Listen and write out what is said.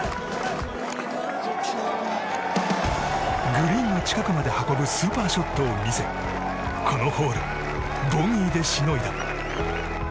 グリーンの近くまで運ぶスーパーショットを見せこのホール、ボギーでしのいだ。